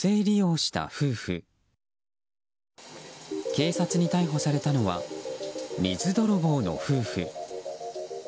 警察に逮捕されたのは水泥棒の夫婦。